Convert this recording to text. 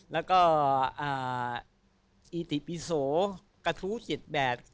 แล้วก็อีติปิโสกระทู้๗แบบ